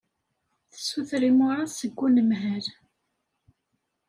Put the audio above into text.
Tessuter imuras seg unemhal.